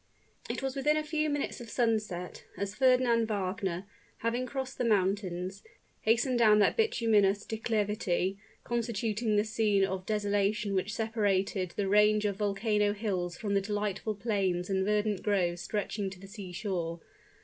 It was within a few minutes of sunset, as Fernand Wagner, having crossed the mountains, hastened down that bituminous declivity constituting the scene of desolation which separated the range of volcano hills from the delightful plains and verdant groves stretching to the sea shore.